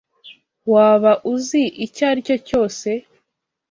Waba uzi icyo aricyo cyose?